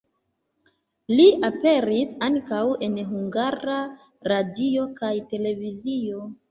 Li aperis ankaŭ en Hungara Radio kaj Televizio.